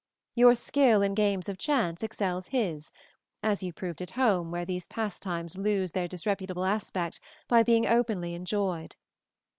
Your skill in games of chance excels his, as you proved at home where these pastimes lose their disreputable aspect by being openly enjoyed.